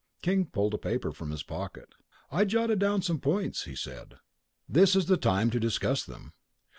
King pulled a paper from his pocket. "I jotted down some points," he said. "This is the time to discuss them."